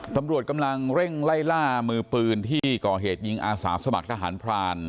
ตำรวจกำลังเร่งไล่ล่ามือปืนที่ก่อเหตุยิงอาสาสมัครทหารพราน